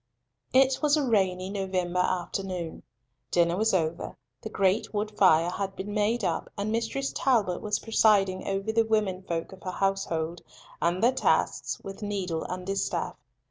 It was a rainy November afternoon. Dinner was over, the great wood fire had been made up, and Mistress Talbot was presiding over the womenfolk of her household and their tasks with needle and distaff.